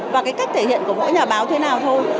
và cái cách thể hiện của mỗi nhà báo thế nào thôi